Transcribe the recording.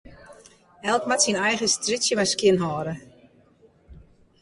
Elk moat syn eigen strjitsje mar skjinhâlde.